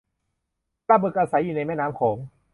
ปลาบึกอาศัยอยู่ในแม่น้ำโขง